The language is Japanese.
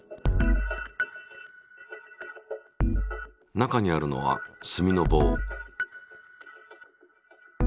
中にあるのは炭の棒。